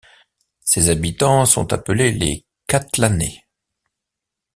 Ses habitants sont appelés les Catllanais.